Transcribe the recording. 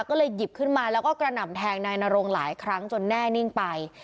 ก็เลยหยิบขึ้นมาแล้วก็กระหน่ำแทงนายนรงหลายครั้งจนแน่นิ่งไป